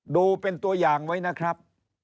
ดูเป็นตัวอย่างไว้นะครับ